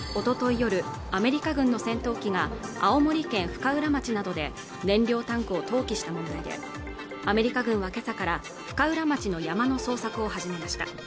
夜アメリカ軍の戦闘機が青森県深浦町などで燃料タンクを投棄した問題でアメリカ軍はけさから深浦町の山の捜索を始めました